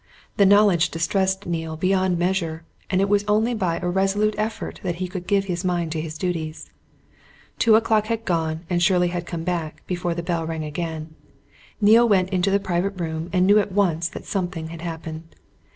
The knowledge distressed Neale beyond measure, and it was only by a resolute effort that he could give his mind to his duties. Two o'clock had gone, and Shirley had come back, before the bell rang again. Neale went into the private room and knew at once that something had happened.